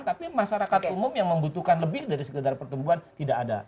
tapi masyarakat umum yang membutuhkan lebih dari sekedar pertumbuhan tidak ada